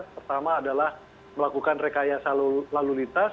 pertama adalah melakukan rekayasa lalu lintas